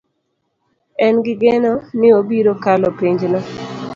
An gi geno ni abiro kalo penj no